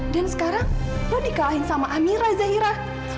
dan sekarang lo dikalahin sama amira zahira